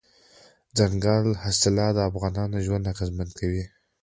دځنګل حاصلات د افغانانو ژوند اغېزمن کوي.